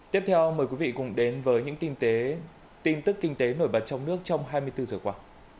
tiếp theo mời quý vị cùng đến với những tin tức kinh tế nổi bật trong nước trong hai mươi bốn giờ qua